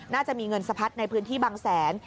น่าจะมีเงินสะพัดในพื้นที่บางแสน